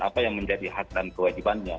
apa yang menjadi hak dan kewajibannya